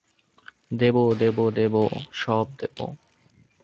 দেব দেব দেব, সব দেব।